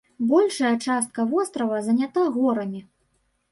Большая частка вострава занята горамі.